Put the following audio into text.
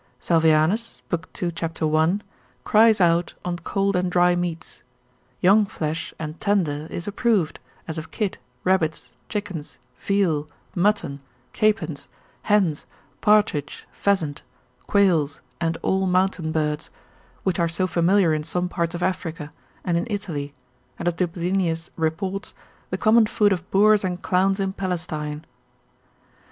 Salvianus, lib. 2. cap. 1. cries out on cold and dry meats; young flesh and tender is approved, as of kid, rabbits, chickens, veal, mutton, capons, hens, partridge, pheasant, quails, and all mountain birds, which are so familiar in some parts of Africa, and in Italy, and as Dublinius reports, the common food of boors and clowns in Palestine.